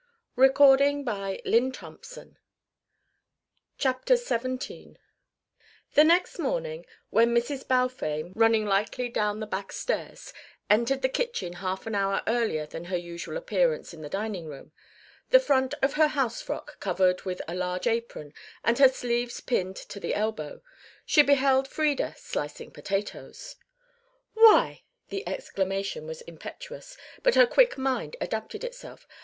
Frieda of course would be gone. CHAPTER XVII The next morning, when Mrs. Balfame, running lightly down the back stairs, entered the kitchen half an hour earlier than her usual appearance in the dining room, the front of her housefrock covered with a large apron and her sleeves pinned to the elbow, she beheld Frieda slicing potatoes. "Why!" The exclamation was impetuous, but her quick mind adapted itself.